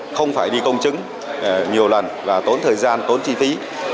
không phải đi công chứng nhiều lần và tốn thời gian tốn chi phí